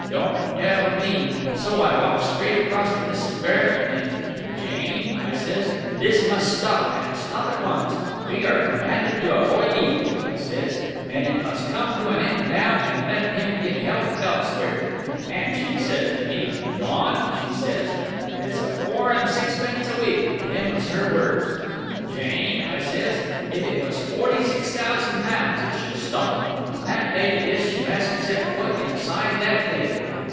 Don't tell me!... And so I walks straight across to Mrs. Barrett, and 'Jane,' I says, 'this must stop, and stop at once; we are commanded to avoid evil,' I says, 'and it must come to an end now; let him get help elsewhere.' "And she says to me, 'John,' she says, 'it's four and sixpence a week' them was her words. "'Jane,' I says, 'if it was forty six thousand pounds it should stop'... and from that day to this she hasn't set foot inside that gate."